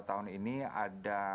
tahun ini ada